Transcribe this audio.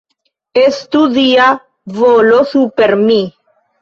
Estu Dia volo super mi!